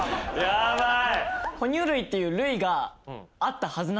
ヤバい。